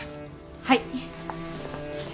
はい。